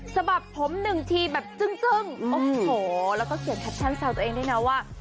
สบับผมหนึ่งทีแบบจึ้งจึ้งโอ้โหแล้วก็เขียนแท็ปชั่นเซลล์ตัวเองได้นะว่า